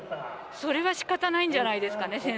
それは仕方ないんじゃないですかね